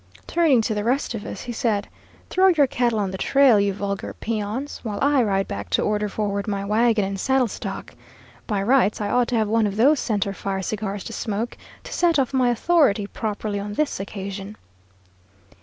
"Turning to the rest of us, he said, 'Throw your cattle on the trail, you vulgar peons, while I ride back to order forward my wagon and saddle stock. By rights, I ought to have one of those centre fire cigars to smoke, to set off my authority properly on this occasion.'